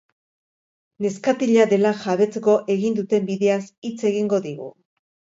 Neskatila dela jabetzeko egin duten bideaz hitz egingo digu.